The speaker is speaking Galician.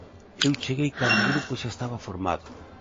Eu cheguei cando o grupo xa estaba formado.